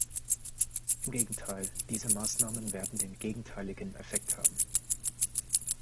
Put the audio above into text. Im Gegenteil, diese Maßnahmen werden den gegenteiligen Effekt haben.